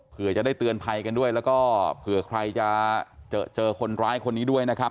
เพื่อจะได้เตือนภัยกันด้วยแล้วก็เผื่อใครจะเจอคนร้ายคนนี้ด้วยนะครับ